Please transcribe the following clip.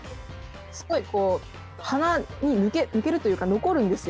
すごいこう鼻に抜けるというか残るんですよ。